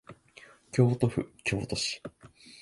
京都府京都市